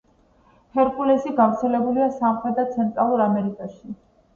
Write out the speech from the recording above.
ჰერკულესი გავრცელებულია სამხრეთ და ცენტრალურ ამერიკაში.